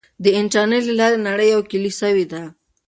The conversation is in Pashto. د انټرنیټ له لارې نړۍ یو کلی سوی دی.